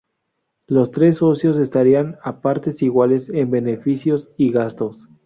Los tres socios entrarían a partes iguales en beneficios y gastos.